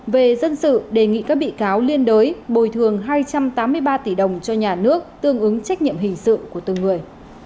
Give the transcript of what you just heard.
về dân sự đề nghị các bị cáo liên đới bồi thường hai trăm tám mươi ba tỷ đồng cho nhà nước tương ứng trách nhiệm hình sự của từng người